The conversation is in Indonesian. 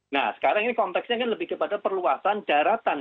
nah sekarang ini konteksnya kan lebih kepada perluasan daratan